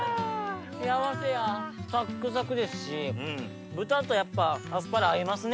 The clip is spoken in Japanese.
サックサクですし豚とやっぱアスパラ合いますね。